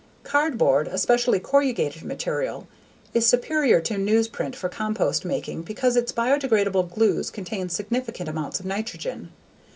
Cardboard, especially corrugated material, is superior to newsprint for compost making because its biodegradable glues contain significant amounts of nitrogen.